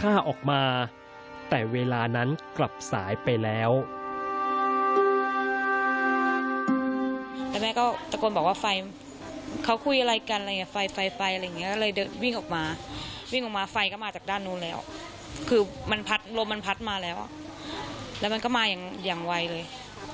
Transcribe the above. คือรมมันพัดมาแล้วแล้วมันก็มาอย่างไวเลย